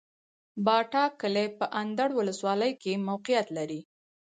باټا کلی په اندړ ولسوالۍ کي موقعيت لري